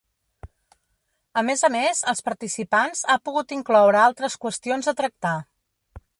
A més a més, els participants ha pogut incloure altres qüestions a tractar.